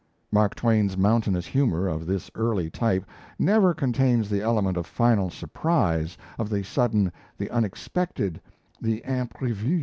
Mark Twain's mountainous humour, of this early type, never contains the element of final surprise, of the sudden, the unexpected, the imprevu.